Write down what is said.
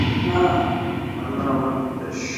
ভূমিকে নির্দেশ দাও, যাতে সে আজ আমার নির্দেশ মান্য করে।